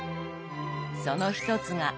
その一つが岩塩。